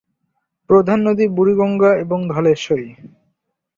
প্রধান নদী বুড়িগঙ্গা এবং ধলেশ্বরী।